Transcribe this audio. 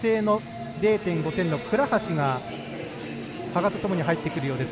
女性の０．５点の倉橋が羽賀とともに入ってくるようです。